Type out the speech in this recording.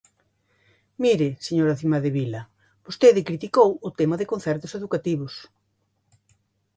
Mire, señora Cimadevila, vostede criticou o tema de concertos educativos.